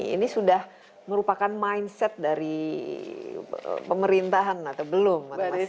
ini sudah merupakan mindset dari pemerintahan atau belum